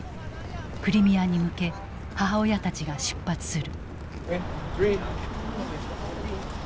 クリミアに向け母親たちが出発する。